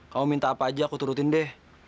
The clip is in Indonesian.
kamu minta apa aja aku turutin deh